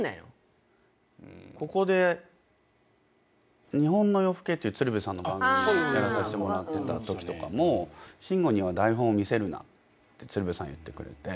ここで『日本のよふけ』っていう鶴瓶さんの番組やらさせてもらってたときとかも慎吾には台本を見せるなって鶴瓶さん言ってくれて。